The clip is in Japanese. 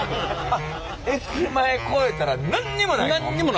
越えたら何にもないの？